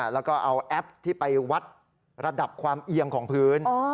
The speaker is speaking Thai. แล้วก็เอาแอปที่ไปวัดระดับความเอียงของพื้น